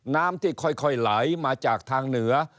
น้ำที่ค่อยไหลมาจากทางเหนือ